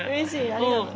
ありがとう。